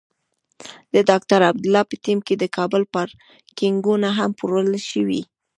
د ډاکټر عبدالله په ټیم کې د کابل پارکېنګونه هم پلورل شوي.